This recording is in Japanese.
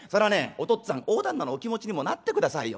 おとっつぁん大旦那のお気持ちにもなってくださいよ。